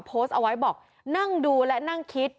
โพสต์เอาไว้บอกนั่งดูและนั่งคิด